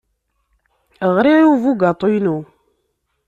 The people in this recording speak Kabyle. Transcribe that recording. Ɣriɣ i ubugaṭu-inu.